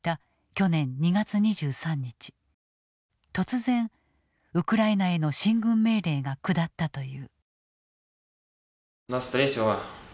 突然ウクライナへの進軍命令が下ったという。